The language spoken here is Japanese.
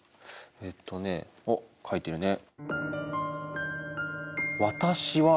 えっとねあっ書いてるね。